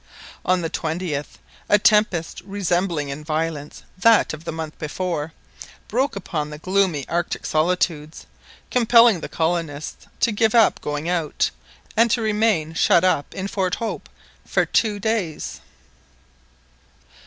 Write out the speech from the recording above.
On the 20th, a tempest resembling in violence that of the month before, broke upon the gloomy Arctic solitudes, compelling the colonists to give up going out, and to remain shut up in Fort Hope for two days.